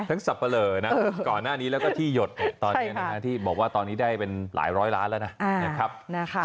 สับปะเหลอนะก่อนหน้านี้แล้วก็ที่หยดตอนนี้ที่บอกว่าตอนนี้ได้เป็นหลายร้อยล้านแล้วนะครับ